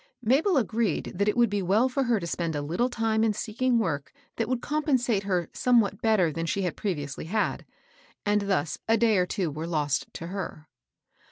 Mabel agreed that it would be well for her to spend a little time in seeking work that would compen sate her somewhat better than that she had pre viously had ; and thus a day or two were lost to her.